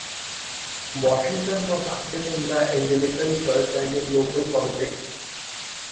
Washington was active in the Anglican Church and in local politics.